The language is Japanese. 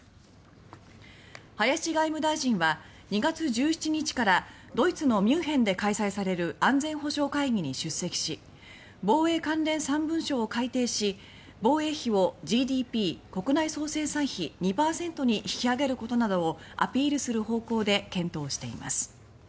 林外務大臣は２月１７日からドイツのミュンヘンで開催される安全保障会議に出席し防衛関連３文書を改定し防衛費をＧＤＰ・国内総生産比２％に引き上げることなどをアピールする方向で検討しています。